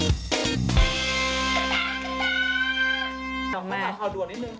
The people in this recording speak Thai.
ข่าวด่วนนิดนึง